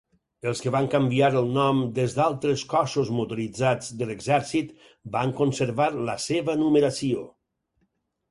Els que van canviar el nom des d'altres cossos motoritzats de l'exèrcit van conservar la seva numeració.